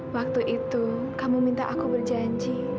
waktu itu kamu minta aku berjanji